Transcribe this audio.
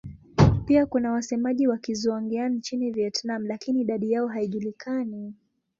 Pia kuna wasemaji wa Kizhuang-Yang nchini Vietnam lakini idadi yao haijulikani.